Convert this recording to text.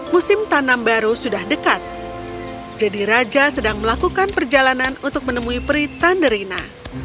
musim tanam baru sudah dekat jadi raja sedang melakukan perjalanan untuk menemui pri tanderina